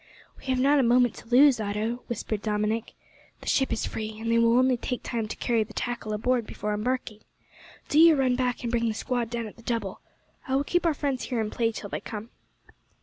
"We have not a moment to lose, Otto," whispered Dominick. "The ship is free, and they will only take time to carry the tackle aboard before embarking. Do you run back and bring the squad down at the double. I will keep our friends here in play till they come."